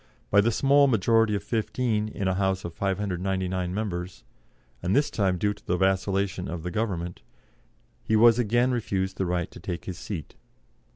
By the small majority of fifteen in a House of 599 members and this due to the vacillation of the Government he was again refused the right to take his seat.